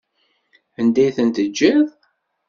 Anda i ten-teǧǧiḍ?